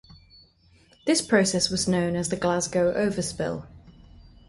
This process was known as the "Glasgow overspill".